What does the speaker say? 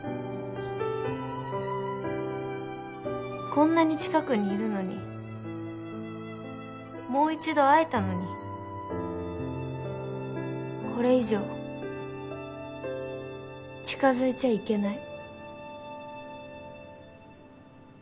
こんなに近くにいるのにもう一度会えたのにこれ以上近づいちゃいけない